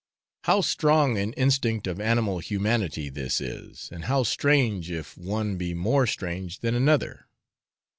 How strong an instinct of animal humanity this is, and how strange if one be more strange than another.